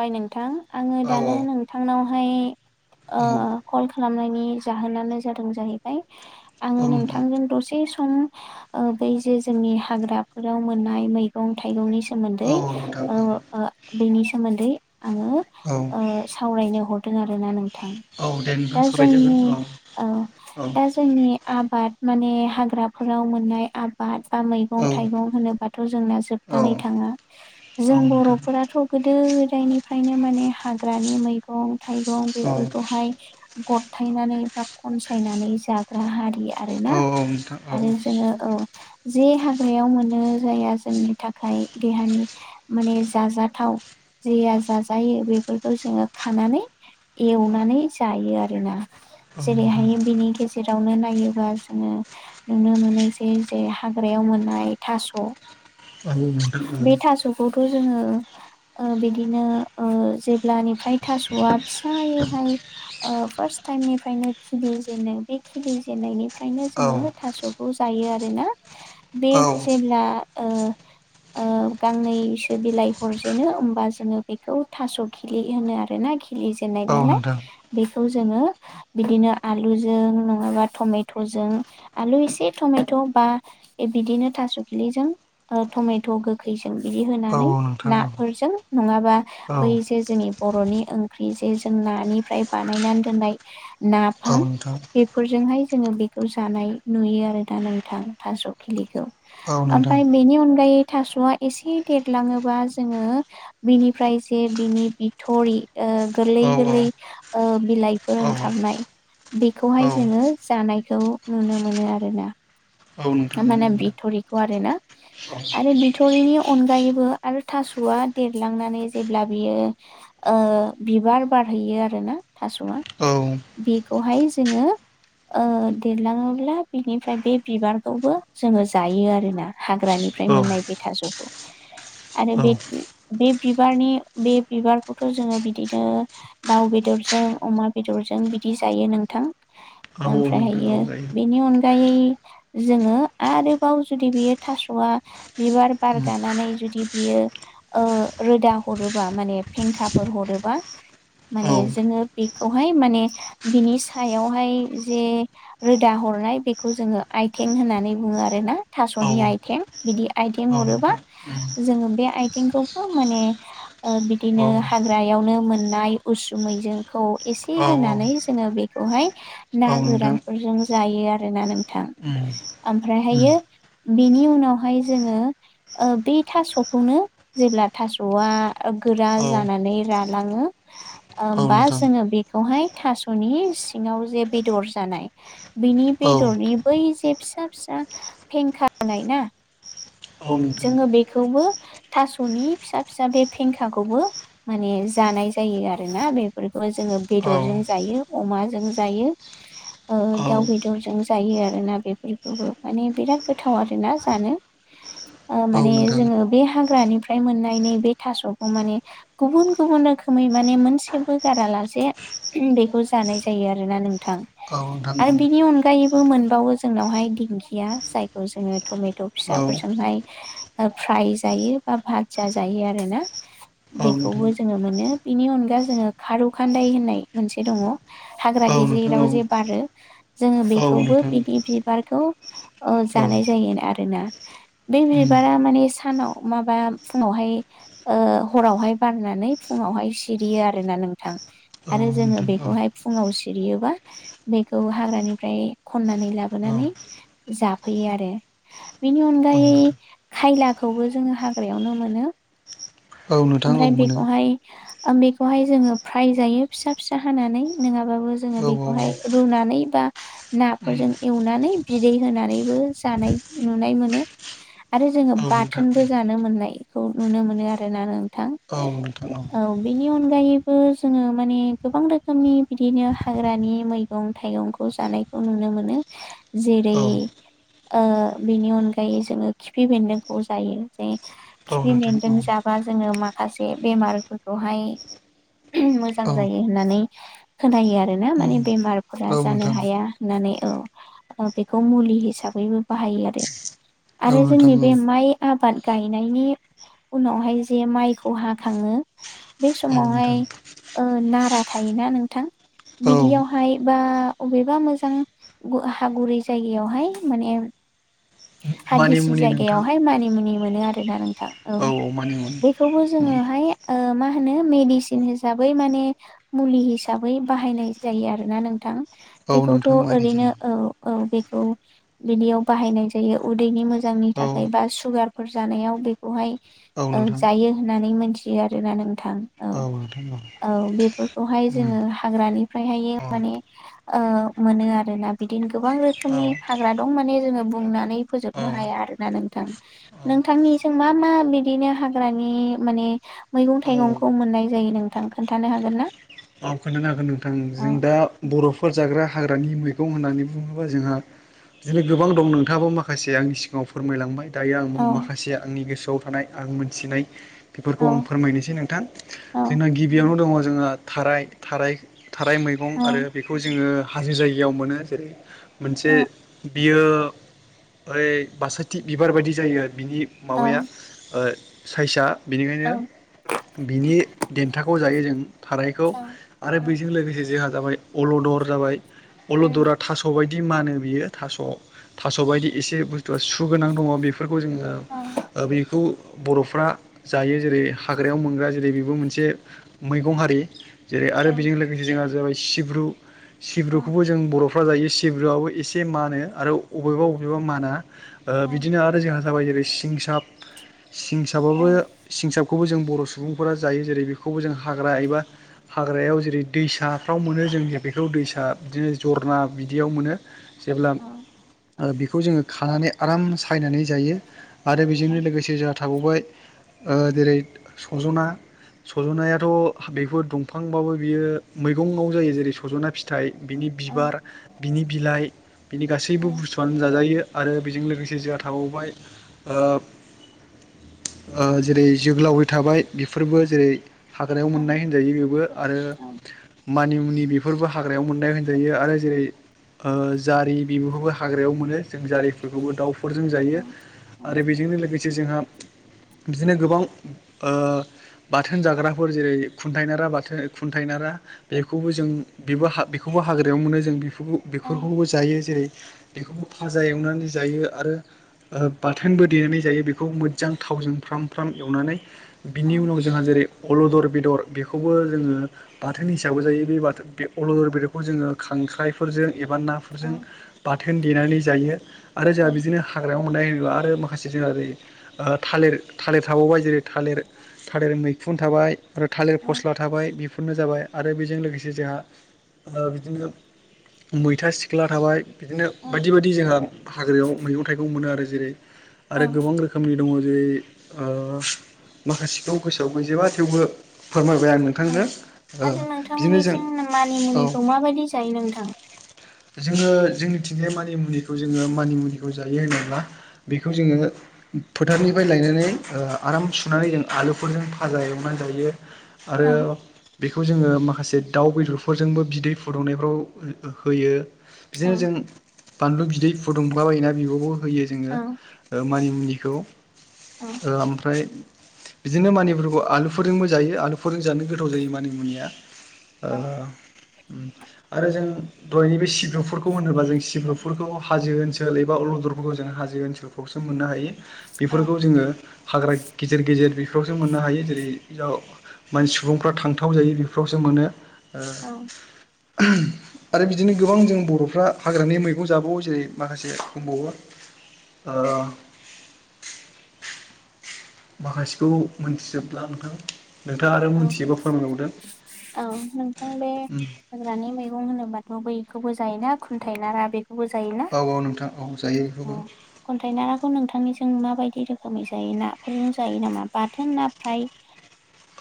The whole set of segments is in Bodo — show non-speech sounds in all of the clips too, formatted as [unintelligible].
ओइ नोंथां । आङो औ दानो नोंथांनावहाय औ ओ कल खालामनाय नि जाहोनानो जादों जाहैबाय, औ आंङो नोंथां नोंथांजों दसे सम उम, ओ बै जे जोंनि हाग्राफोराव मोननाय मैगं-थाइगंनि औ सोमोन्दै नोंथां ओ ओ बेनि सोमोन्दै आङो औ ओ सावरायनो हर हरदों आरोना नोंथां । औ दे दा नोंथां जोंनि सावरायजागोन औ ओ दा जोंनि आबाद माने हाग्राफोराव मोननाय आबाद बा औ मैगं-थाइगं होनोबाथ' जोंना जोबनानै औ थाङा औ जों बर' नोंथां फोराथ गोदो-गोदायनिफ्रायनो माने हाग्रानि मैगं-थाइगं औ बेफोरखौहाय ग'थायनानै बा ख'नसायनानै जाग्रा हारिया आरोना औ नोंथां । औ आरो जोङो औ जे हाग्रायाव मोनो जाया जोंनि थाखाय देहानि माने जाजाथाव जेया जाजायो बेफोरखौ जोङो खानानै, एवनानै जायो आरोना। औ नोंथां जेरैहाय बिनि गेजे जेरावनो नायोबा जोङो नुनो मोनो जे, जे हाग्रायाव मोननाय थास' बे थास'खौथ' [unintelligible] जोङो ओ बिदिनो ओ जेब्लानिफ्राय थास'आ फिसायैहाय ओ फार्स्ट टाइमनिफ्रायनो खिलि जेनो बे खिलि जेनन्नायनिफ्रायनो औ जोङो थास' खौ जायो आरोना । बे औ जेब्ला ओ ओ गांनैसो बिलाइ हर जेनो होमबा जोङो बेखौ थास' खिलि होनो आरोना खिलि जेननाय औ नालाय नोंथां । बेखौ जों ङो बिदिनो आलुजों नङाबा टमेट'जों आलु एसे टमेट' बा बा बिदिनो थास' खिलिजों‌ ओ टमेट' गोखैजों बिदि औ होनानै औ नोंथां औ नोंथां औ नोंथां औ नोंथां औ ना नोंथां औ फोरजों नङाबा जायो औ बै जे जोंनि बर'नि ओंख्रि जे जों नानिफ्राय बानायनानै दोननाय नाफाम बेफोरजोंहाय जोङो बेखौ जानाय नुयो आरो दा नोंथां। थास' खि लिखौ ओमफ्राय बेनि अनगायै थास'आ एसे देरलाङोबा जोङो बिनिफ्राय जे बिनि बिथ'रि ओ गोरलै-गोरलै ओ बि बिलाइफोर ओंखारनाय बेखौहाय जोङो जानायखौ नुनो मोनो आरोना। नोंथां माने बिथ'रिखौ आरोना आरो बिथ'रिनि अनगायैबो आरो थास'वा देरलांनानै जेब्ला बियो ओ बिबार बारहैयो आरो ना थास'आ औ बेखौहाय जोङो ओ देरलाङोब्ला बिनिफ्राय बे बिबार खौबो जोङो जायो आरोना हाग्रानिफ्राय मोननाय बे थास'खौ। आरो बे बे बिबारनि बे बिबारखौथ' जोङो बिदिनो दाउ बेदर जों, अमा बेदरजों बिदि जायो नोंथां । औ ओमफ्रायहायो बेनि अनगायै बो [unintelligible] जोङो आरोबाव जुदि बियो थास'आ बिबार बारगानानै जुदि बियो ओ रोदा हरोबा माने फेंखाफोर हरोबा माने जोङो बेखौहाय माने बिनि सायावहाय जे रोदा हर नाय बेखौहाय जोङो आइथें होननानै बुङो आरोना, थास'नि आइथें बिदि आइथें हरोबा जोङो बे आथेंखौबो माने ओ बिदिनो हाग्रायावनो मोननाय उसुमैजोंखौ एसे होनानै जोङो बेखौहाय ना औ नोंथां गोरानफोरजों जायो आरोना नोंथां। उम। उम ओमफ्रायहायो बेनि उनावहाय जोङो बे थास'खौनो जेब्ला थास'आ गोरा औ जानानै रालाङो औ होमबा नोंथां जोङो बेखौ हाय थास'नि सिंआव जे बेदर जानाय बिनि औ बेदरनि बै जे फिसा- फिसा फेंखा जानाय ना औ नोंथां जोङो बेखौबो थास'नि फिसा- फिसा बे फेंखाखौबो माने जानाय जायो आरोना। बेफोरखौ जोङो औ बेदरजों जायो, अमाजों जायो, औ दाउ बेदरजों जायो आरोना बेफोरखौबो। माने बिराद गोथाव आरोना जानो। [inaudible] ओ औ माने नोंथां जोङो बे हाग्रानिफ्राय मोननाय नैबे थास'खौ माने गुबुन- गुबुन रोखोमै माने मोनसेबो गारालासे बेखौ जानाय जायो आरोना नोंथां। औ नोंथां आरो बिनि अनगायैबो मोनबावो जोंनावहाय दिंखिया जायखौ जोङो टमेट' औ फिसाफोरजोंहाय [inaudible] फ्राय जायो बा भाजा जायो आरोना। औ नोंथां बेखौबो जोङो मोनो बिनि अनगायै जोंङो खारौ खान्दाय होन्नाय मोनसे दङ हाग्रा औ गेजेराव नोंथां जे बारो। जोङो औ बे खौबो नोंथां बिदि बिबारखौ औ जानाय जायो आरोना। बे उम बिबारा माने सानाव माबा फुङावहाय ओ हरावहाय बारनानै फुङाव वहाय सिरियो आरोना नोंथां औ नोंथां औ आरो नोंथां जोङो बेखौहाय फुङाव सिरियोबा बेखौ हाग्रानिफ्राय खननानै औ लाबोनानै जाफैयोआरो। बेनि अनगायै जाय खायलाखौबो जोङो हाग्रायावनो मोनो। नोंथां औ ओमफ्राय मोनो बेखौहाय ओ बेखौहाय जोङो फ्राय जायो फिसा- फिसा हानानै नङाबाबो जोङो औ औ बेखौहाय रुनानै बा नाफोरजों एवनानै बिदै होनानैबो जानाय नुनाय मोनो। आरो जोङो उम औ नोंथां बाथोनबो जानो मोननायखौ नुनो मोनो आरोना नोंथां। औ नोंथां औ। बेनि अनगायैबो जोङो माने गोबां रोखोमनि बिदिनो हाग्रानि मैगं- थायगंखौ जानायखौ नुनो मोनो। औ जेरै- ओ बेनि अनगा गायै जोङो खिफि बेन्दोंखौ जायो। जे औ खिफि नोंथां बेन्दों औ उम औ नोंथां जाबा जोङो माखासे बे बेमारफोरखौहाय मोजां औ जायो होननानै खोनायो आरो ना माने बेमारफोरा जानो नोंथां हाया होननानै। औ बेखौ मुलि हिसाबैबो बाहायो आरो। आरो जोंनि बे माइ आबाद गायनायनि उनावहाय जे माइखौ हाखाङो बे औ समावहाय नोंथां नारा थायोना नोंथां औ बिदियावहाय बा अबेबा मोजां हागुरै जायगायावहाय माने हागिसि मानिमुनि नोंथां जायगायावहाय मानि मुनि मोनो आरोना नों थां औ बेखौबो जोङोहाय ओ मा होनो मेडिसिन हिसाबै माने मुलि हिसाबै बाहायनाय जायो आरो ना नोंथां। औ बेखौथ' नोंथां बायनाय ओरैनो जायो औ औ बेखौ बिनियाव बाहायनाय जायो। उदैनि मोजांनि औ थाखाय बा सुगारफोर जानायाव बेखौहाय औ नोंथां जायो होन नानै मोनथियो आरोना नोंथां। औ। औ बेफोरखौहाय उम जोङो हाग्रानिफ्रायहाय औ माने ओ मोनो आरो ना। दा बिदिनो गोबां रोखोमनि हाग्रा दं माने जोङो बुंनानै औ फोजोबनो होया आरो ना नोंथां औ नोंथांनि मा मा बिदिनो हाग्रानि माने मैगं थाइगंखौ मोननाय जायो नोंथां खोन्थानो हागोन ना? आ खोन्थानो हागोन नोंथां औ जों दा बर'फोर जाग्रा हाग्रानि मै गं होननानै बुङोबा जोंहा बिदिनो गोबां दं नोंथाङाबो माखासे आंनि सिगाङाव फोरमायलांबाय दायो आं औ माखासे आंनि गोसोआव थानाय आं मोनथिनाय बेफोरखौ आं औ फोरमायनोसै नोंथां औ जोंना गिबियावनो दङ जोंहा थाराय थाराय थाराय मैगं औ आरो बेखौ जोङो हाजो जायगायाव मोनो जेरै मोनसे औ बियो ओइ बासथि बिबार बायदि जायो। बिनि औ माबाया साइजआ औ बेनिखायनो बिनि देन्थाखौ जायो जों थारैखौ औ आरो औ बेजों लोगोसे जोंहा जाबाय अलदर जाबाय औ अलदरा थास' बायदि बिदि मानो बियो थास' थास' बादि एसे बुस्तुआ सु गोनां दङ। बेफोरखौ जोङो बेखौ बर'फ्रा जायो जेरै हाग्रायाव मोनग्रा जेरै बेबो मोनसे मैगं हारि जेरै आरो बेजों लोगोसे जोंहा जाबाय सिब्रु सिब्रुखौबो जों बर'फ्रा जायो सिब्रुआबो एसे मानो आरो अबेबा अबेबा माना औ बिदिनो आरो जोंहा जाबाय जेरै सिंसाब सिंसाबाबो सिंसाबखौबो जों बर' सुबुंफोरा जायो जेरै बेखौबो जों हाग्रा एबा हाग्रायाव जेरै दैसाफ्राव मोनो जों बेखौ दैसा बिदिनो जरना बिदियाव मोनो। जेब्ला बेखौ जोङो खानानै आराम सायनानै जायो आरो बेजोंनो औ लोगोसे जोंहा थाबावबाय। जेरै संज'ना सज'नायाथ' बेफोर दं। बिफांबाबो बियो मैगंआव जायो जेरै सज'ना फिथाइ बिनि बिबार बिनि बिलाइ बिनि गासैबो बुस्थुआनो जाजायो। आरो बेजों लोगोसे जोंहा थाबावबाय। जेरै जोगोलावबाय थाबाय। बेफोरबो जेरै हाग्रायाव मोननाय होनजायो बेबो आरो। मानिमुनि बेफोरबो हाग्रायाव मोननाय होनजायो आरो जेरै जारि बिबुखौबो हाग्रायाव मोनो। जों जारिफोरखौबो दाउफोरजों जायो आरो बेजोंनो लोगोसे जोंहा। बिदिनो गोबां बाथोन जाग्राफोर जेरै खुन्थाइना राबाद। खुन्थाय नारा बेखौबो जों बेबो बेखौबो हाग्रायावनो मोनो जों बेफोरखौबो जायो। जायो जेरै बेखौबो फाजा एवनानै जायो आरो। बाथोनबो देनानै जायो बेखौ मोजां थावजों फ्राम फ्राम एवनानै औ बिनि उनाव जोंहा जेरै अलदर बेदर बेखौबो जोङो बाथोननि हिसाबै जायो बे बाथोन बे अलदर बेदरखौ जोङो खांख्राइफोरजों एबा नाजों औ बाथोन देनानै जायो आरो जोंहा औ बिदिनो हाग्रायाव मोननाय होना आरो माखासे जोंहा थालिर थालिर थाबावबाय जेरै थालिर। थालिर मैखुन थाबाय आरो थालिर औ फस्ला। बाय बेफोरनो जाबाय आरो बेजों लोगोसे जोहा ओ बिदिनो मैथा सिख्ला थाबाय। बिदिनो औ बायदि बायदि जोंहा हाग्रायाव मैगं थाइगं मोनो आरो जेरै औ आरो गोबां रोखोमनि दङ जेरै ओ माखासेखौ गोसोआव गैजोबा थेवबो फोरमायबाय आर औ खांनो ओ आरो बिदिनो जों नोंथांमोननिथिं औ। मानिमुनिखौ माबायदि जायो नोंथां जोङो जोंनिथिंजाय मानिमुनिखौ जोङो मानिमुनिखौ जायो होनोब्ला बेखौ जोङो। फोथारनिफ्राय लायनानै ओ आराम सुनानै जों आलुफोरजों फाजा एवनानै जायो। औ आरो बेखौ जोङो माख खासे दाउ बेदरफोरजोंबो बिदै फुदुंनायफ्राव होयो। औ बिदिनो जों बानलु बिदै फुदुंला बायोना बियावबो। होयो जोङो औ ओ मानिमुनिखौ औ ओ ओमफ्राय बिदिनो मानिफोरखौ आलुफोरजोंबो जायो आलुफोरजों जानो गोथाव जायो मानि मुनिया ओ औ उम आरो जों दहायनिबो सिब्रुफोरखौ होनोब्ला जों सिब्रुफोरखौ हाजो ओनसोल एबा अलदरफोरखौ जोङो हाजो ओनसोलफ्रावसो मोननो हायो औ बेफोरखौ जोङो हाग्रा गेजेर गेजेर बेफ्रावसो मोननो हायो जेरै मानसि सुबुंफ्रा थांथाव जाय बेफ्रावसो मोनो। औ आरो बिदिनो गोबां जों बरफ्रा हाग्रानि मैगं जाबावो जेरै माखासे दंबावो। ओ [inaudible] माखासेखौ मोनथिजोबब्ला नोंथां नोंथाङा आरो औ मोनथियोबा फोरमायबावदों औ नोंथां बे हाग्रानि मैगं होनोबा ब बैखौबो जायोना खुन्थाय नारा बे बो जायोना औ औ नोंथां औ जायो बेखौबो अ खुन्थायनाराखौ नोंथा थांनिजों माबायदि रोखोमै जायो ना फोरजों जायो नामा बाथोन ना फ्राय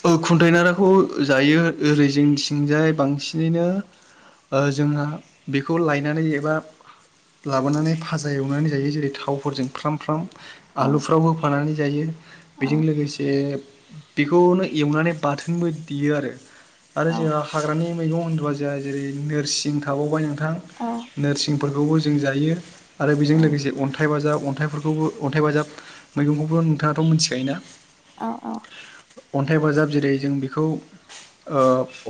ओ खुन्थाइनाराखौ जायो ओरै जोंथिंजाय बांसिनैनो ओ जोंहा बेखौ लायनानै एबा लाबोनानै फाजा एवनानै जायो जेरै थावफोरजों फ्राम फ्राम औ आलुफ्राव होफानानै जायो औ बेजों लोगोसे बेखौनो एवनानै बाथोनबो देयो आरो आरो औ जोहा हाग्रानि मैगं होनबा जोहा जेरै नोरसिं थाबावबाय नोंथां औ नोरसिंफोरखौबो जों जायो आरो बेजों औ लोगोसे अन्थाइ बाजाब अन्थाइफोरखौबो अन्थाइ बाजाब मैगंखौबो नोंथाङाथ मोनथिखायोना औ औ अन्थाइ बाजाब जेरै जों बेखौ ओ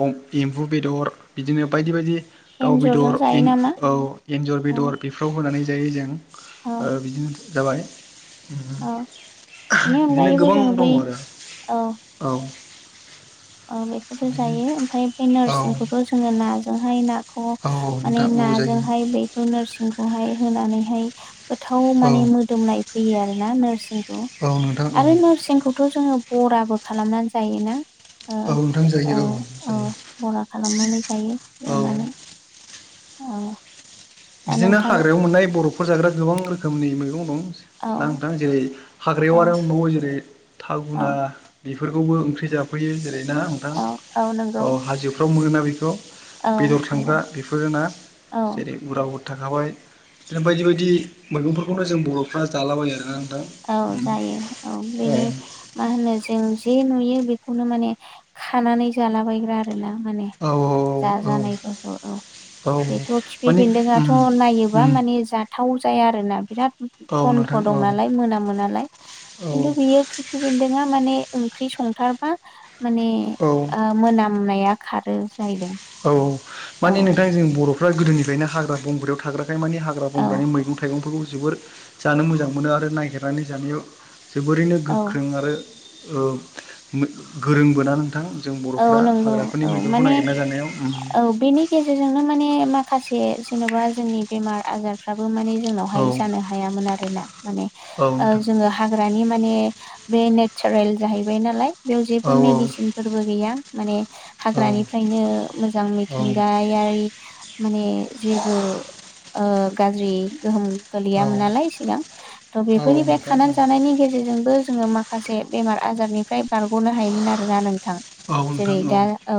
अब एम्फु बेदर बिदिनो बायदि बायदि दाउ एन्जरजों बेदर जायो इन नामा औ एन्जर औ बेदर बेफ्राव होनानै जायो जों औ ओ बिदिनो जाबाय औ बेनि बिदिनो अनगायैबो गोबां जोङो बै दङ आरो औ औ बेखौथ जायो ओमफाय बे औ नोरसिंखौथ जोङो नाजोंहाय ना खौ औ माने नोंथां औ जायो नाजोंहाय बेखौ नोरसिंखौहाय होनानैहाय गोथाव औ माने मोदोमनाय फैयो आरोना नोरसिंखौ औ नोंथां औ आरो नोरसिंखौथ जोङो बराबो खालामनानै जायोना ओ औ नोंथां ओ जायो औ ओ जायो बरा खालामनानै जायो औ एवनानै ओं बिदिनो हाग्रायाव मोननाय बरफफोर जाग्रा गोबां रोखोमनि मैगं दं औ ना नोंथां जेरै हाग्रायाव औ आरो नआव जेरै औ थागुना बेफोरखौबो ओंख्रि जाफैयो जेरै ना नोंथां औ हाजोफ्राव मोनो ना बेखौ औ बेदर नंगौ थांग्रा बेफोरोना औ जेरै रावबो थाखाबाय बिदिनो बायदि बायदि मैगंफोरखौनो जों बर'फ्रा जालाबायो ना औ जायो औ बिनि मा होनो जों जे नुयो बेखौनो माने खानानै जालाबायग्रा आरोना माने औ औ जाजानायफोरखौ औ औ बेथ' खिफि माने बेन्दोंआथ' उम नायोबा उम माने जाथाव जाया आरोना बिराद औ नोंथां औ मोनामोनालाय खिन्थु बियो खिफि बेन्दोंआ माने ओंख्रि संथारबा माने औ मोनामनाया खारो जाहैदों औ औ औ मानि नोंथां जों बर'फ्रा गोदोनिफ्रायनो हाग्रा बंग्रायाव थाग्रा नालाय मानि हाग्रा बंग्रानि औ मैगं थाइगंफोरखौ जोबोर जानो मोजां मोनो आरो नागिरनानै जानायाव जोबोरैनो औ गोख्रों आरो ओ गोरोंबोना नोंथां जों औ बर'फ्रा नंगौ हाग्राफोरनि औ मैगंखौ माने नागिरना जानायाव औ बेनि गेजेरजोंनो माने माखासे जेन'बा जोंनि बेमार आजारफ्राबो माने जोंनावहाय औ जानो हायामोन आरोना मानो औ ओ नोंथां जोङो हाग्रानि नि माने बे नेसारेल जाहैबाय नालाय बेयाव औ जेबो मेडिसिनफोर बो गैया माने औ हाग्रानिफ्रायनो मोजां मिथिंगायारि माने जेबो ओ गाज्रि गोहोम औ गोलैयामोन नालाय सिगां थ' औ बेफोरनिफ्राय नोंथां औ खानानै जानायनि गेजेरजोंबो जोङो मा खासे बेमार आजारनिफ्राय बारग'नो हायोमोन आरोना नोंथां औ नोंथां जेरै दा औ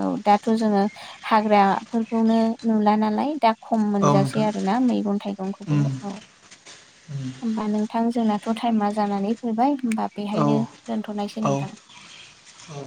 औ दाथ' जोङो हाग्राफोरखौनो नुला नालाय दा खम औ मोनजासै नोंथां आरोना मैगं थाइगंखौबो औ होनबा नोंथां जोंनाथ' टाइमा जानानै फैबाय होमबा बेहायनो औ दोनथ'नायसै औ नोंथां। औ